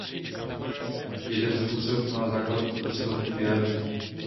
Jeden způsob má základ ve slovním vyjádření.